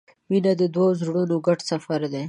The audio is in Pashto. • مینه د دوو زړونو ګډ سفر دی.